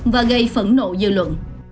và gây phẫn nộ dư luận